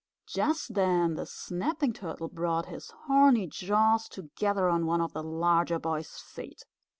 Just then the Snapping Turtle brought his horny jaws together on one of the larger boy's feet.